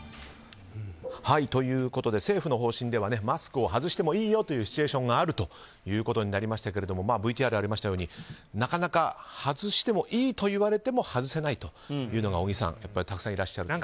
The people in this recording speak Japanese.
政府の方針ではマスクを外してもいいよというシチュエーションがあるということになりましたけれどもＶＴＲありましたように外してもいいと言われても外さないというのが小木さんたくさんいらっしゃると。